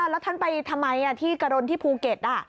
แล้วท่านไปทำไมที่กระดนที่ภูเก็ต